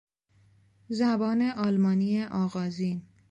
زبان آلمانی آغازین